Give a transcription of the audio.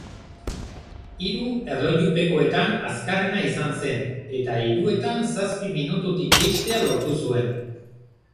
Hiru erlojupekoetan azkarrena izan zen, eta hiruetan zazpi minututik jeistea lortu zuen.